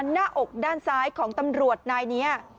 หน้าอกด้านซ้ายของตำรวจนายนี้